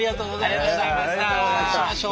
またお会いしましょう。